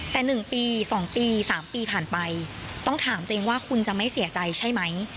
แต่๑ปี๒ปี๓ปีผ่านไปต้องถามตัวเองว่าคุณจะไม่เสียใจใช่ไหม